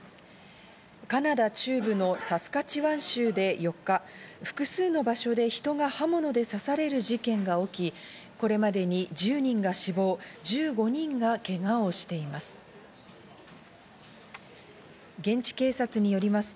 カナダ中部のサスカチワン州で４日、複数の場所で人が刃物で刺される事件が起き、これまでに１０人が死亡、１５人がけがをしています。